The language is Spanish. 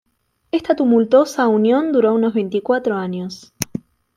Esta tumultuosa unión duró unos veinticuatro años.